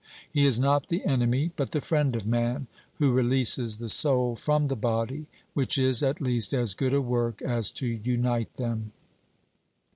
He is not the enemy, but the friend of man, who releases the soul from the body, which is at least as good a work as to unite them.